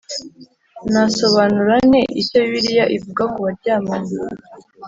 Nasobanura nte icyo Bibiliya ivuga ku baryamana